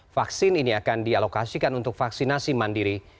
vaksin ini akan dialokasikan untuk vaksinasi mandiri